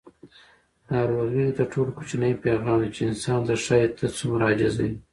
ناروغي تر ټولو کوچنی پیغام دی چې انسان ته ښایي: ته څومره عاجزه یې.